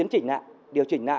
chính trình ạ